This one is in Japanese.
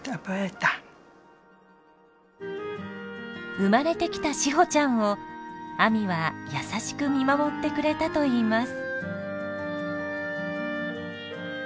産まれてきた史帆ちゃんをあみは優しく見守ってくれたといいます。